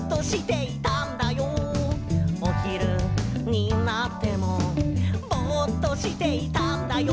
「おひるになってもぼっとしていたんだよ」